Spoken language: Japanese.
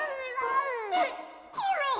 えっコロン！